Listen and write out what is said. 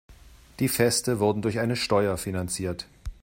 Die Feste wurden durch eine Steuer finanziert.